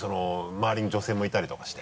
周りに女性もいたりとかして。